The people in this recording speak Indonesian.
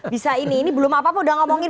bisa ini ini belum apa apa udah ngomongin